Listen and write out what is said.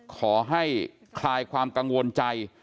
ขอให้คลายความกังวลใจ